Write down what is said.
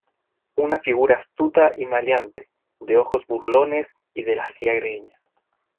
una figura astuta y maleante, de ojos burlones y de lacia greña